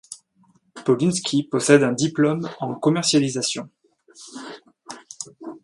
Polinksy possède un diplôme en commercialisation.